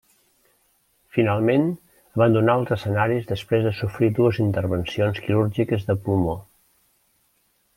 Finalment abandonà els escenaris després de sofrir dues intervencions quirúrgiques de pulmó.